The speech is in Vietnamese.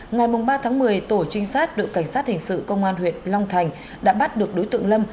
ngày ba tháng một mươi tổ trinh sát đội cảnh sát hình sự công an huyện long thành đã bắt được đối tượng lâm